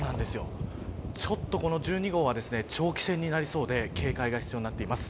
ちょっとこの１２号は長期戦になりそうで警戒が必要になっています。